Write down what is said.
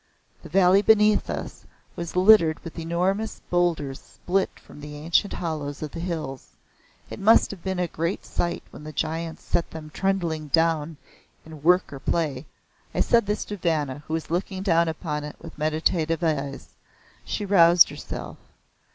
The valley beneath us was littered with enormous boulders spilt from the ancient hollows of the hills. It must have been a great sight when the giants set them trundling down in work or play! I said this to Vanna, who was looking down upon it with meditative eyes. She roused herself.